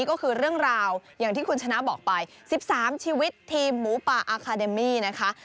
ก็คือเรื่องราวอย่างที่คุณชนะบอกไป๑๓ชีวิตทีมหมูป่าอาคาเดมี่นะคะ